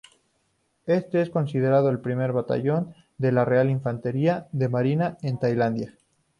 Este es considerado el primer Batallón de la Real Infantería de Marina en Tailandia.